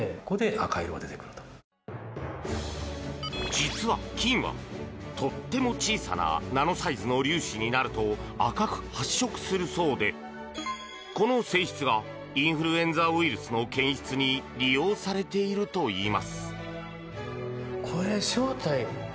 実は金は、とても小さなナノサイズの粒子になると赤く発色するそうでこの性質がインフルエンザウイルスの検出に利用されているといいます。